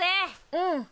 うん。